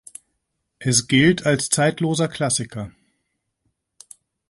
Es gilt als zeitloser Klassiker.